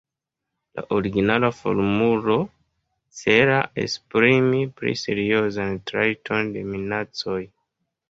La originala formulo celas esprimi pli seriozan trajton de minacoj.